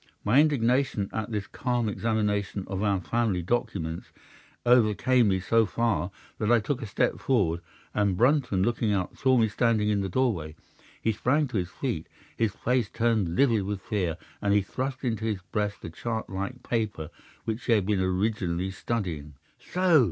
My indignation at this calm examination of our family documents overcame me so far that I took a step forward, and Brunton, looking up, saw me standing in the doorway. He sprang to his feet, his face turned livid with fear, and he thrust into his breast the chart like paper which he had been originally studying. "'"So!"